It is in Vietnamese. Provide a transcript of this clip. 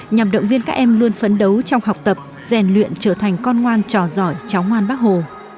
nhằm động viên các em luôn phấn đấu trong học tập rèn luyện trở thành con ngoan trò giỏi cháu ngoan bác hồ